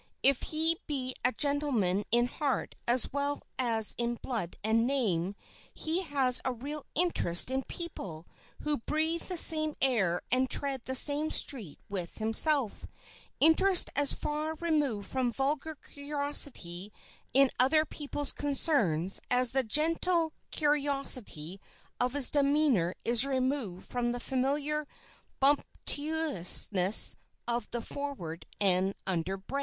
If he be a gentleman in heart as well as in blood and name, he has a real interest in people who breathe the same air and tread the same street with himself—interest as far removed from vulgar curiosity in other people's concerns as the gentle courtesy of his demeanor is removed from the familiar bumptiousness of the forward and underbred.